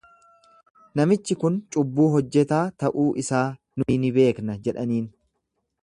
Namichi kun cubbuu hojjetaa ta'uu isaa nuyi ni beekna jedhaniin.